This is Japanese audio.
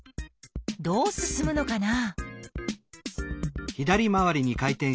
どう進むのかな？